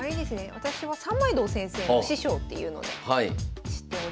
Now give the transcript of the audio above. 私は三枚堂先生の師匠っていうので知っております。